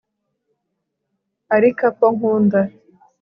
ari couple nkunda